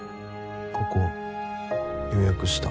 ここ予約した。